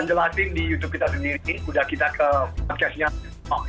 udah kita jelasin di youtube kita sendiri udah kita ke podcastnya youtube kita sendiri